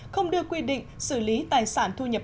không đưa quy định xử lý tài sản thu nhập